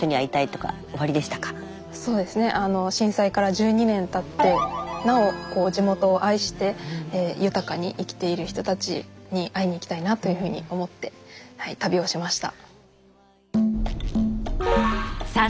そうですねあの震災から１２年たってなお地元を愛して豊かに生きている人たちに会いに行きたいなというふうに思ってはい旅をしました。